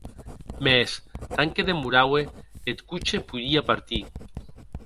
Mès, tant que demoraue, eth coche poirie partir.